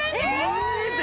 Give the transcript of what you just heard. マジで！？